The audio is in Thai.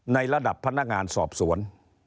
ในระดับพนักงานสอบสวน